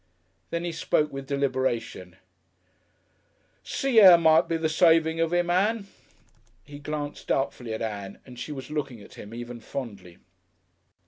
Then he spoke with deliberation, "Sea air might be the saving of 'im, Ann." He glanced doubtfully at Ann, and she was looking at him even fondly.